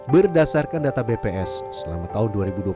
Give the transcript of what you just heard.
berdasarkan data bps selama tahun dua ribu dua puluh